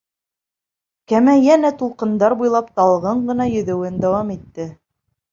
Кәмә йәнә тулҡындар буйлап талғын ғына йөҙәүен дауам итте.